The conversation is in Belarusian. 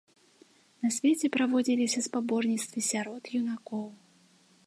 На свяце праводзіліся спаборніцтвы сярод юнакоў.